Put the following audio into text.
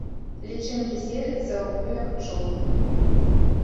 Лічынкі селяцца ў вуллях пчол.